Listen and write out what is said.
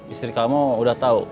istri kamu udah tahu